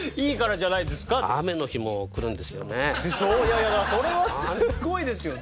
いやいやだからそれはすごいですよね。